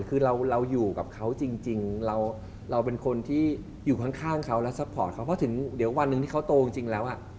คือเราอยู่กับเขาจริงเราเป็นคนที่อยู่ข้างเขาและซัพพอร์ตเขาเพราะถึงเดี๋ยววันหนึ่งที่เขาโตจริงแล้ว